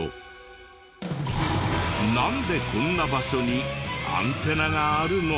なんでこんな場所にアンテナがあるの？